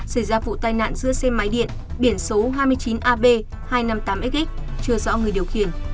xảy ra vụ tai nạn giữa xe máy điện biển số hai mươi chín ab hai trăm năm mươi tám x chưa rõ người điều khiển